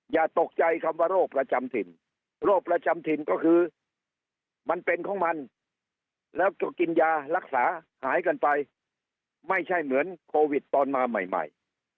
อย่าตกใจคำว่าโรคประจำถิ่นโรคประจำถิ่นก็คือมันเป็นของมันแล้วก็กินยารักษาหายกันไปไม่ใช่เหมือนโควิดตอนมาใหม่ใหม่